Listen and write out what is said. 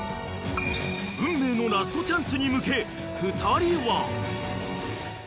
［運命のラストチャンスに向け２人は］